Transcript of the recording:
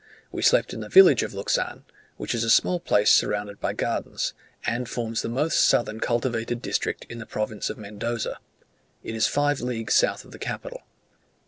We slept in the village of Luxan, which is a small place surrounded by gardens, and forms the most southern cultivated district in the Province of Mendoza; it is five leagues south of the capital.